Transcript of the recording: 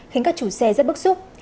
khiến các chủ xe rất bức xúc